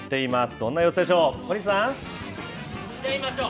どんな様子でしょう。